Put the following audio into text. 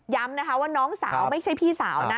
นะคะว่าน้องสาวไม่ใช่พี่สาวนะ